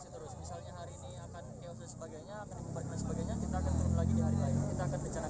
akan dikembangkan sebagainya kita akan turun lagi di hari lain